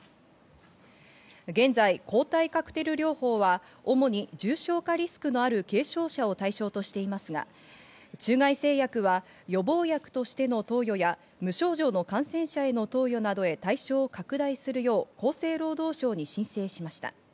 現在、抗体カクテル療法は主に重症化リスクのある軽症者を対象としていますが、中外製薬は予防薬としての投与や無症状の感染者への投与などへ対象を拡大するよう厚生労働省に申請しました。